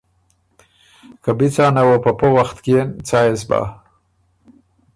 که بی څانه وه په پۀ وخت کيېن څا يې سُو بۀ؟“